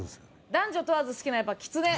男女問わず好きなのはやっぱきつね。